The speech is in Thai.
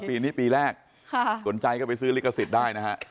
ปีนี้ปีแรกสนใจก็ไปซื้อลิขสิทธิ์ได้นะฮะ